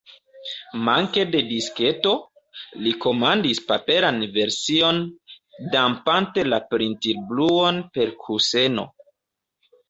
Manke de disketo, li komandis paperan version, dampante la printil-bruon per kuseno.